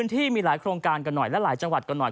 ที่มีหลายโครงการกันหน่อยและหลายจังหวัดกันหน่อย